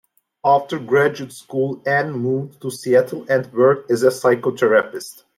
After graduate school Ahn moved to Seattle and worked as a psychotherapist.